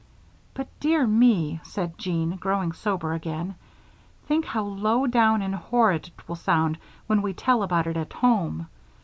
"But, dear me," said Jean, growing sober again, "think how low down and horrid it will sound when we tell about it at home.